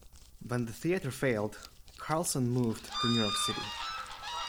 When the theater failed, Carlson moved to New York City.